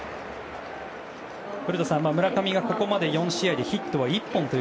古田さん、村上がここまで４試合でヒットは１本。